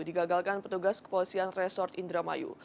digagalkan petugas kepolisian resort indramayu